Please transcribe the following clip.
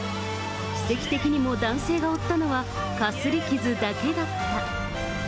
奇跡的にも男性が負ったのはかすり傷だけだった。